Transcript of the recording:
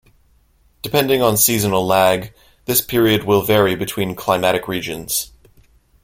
Depending on seasonal lag, this period will vary between climatic regions.